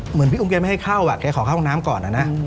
เหมือนพี่อุ๋มแกไม่ให้เข้าแกขอเข้าห้องน้ำก่อนนะ